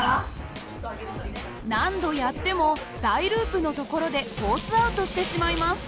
何度やっても大ループの所でコースアウトしてしまいます。